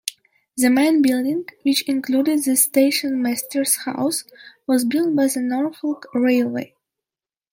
The main building, which included the Stationmaster's house was built by the Norfolk Railway.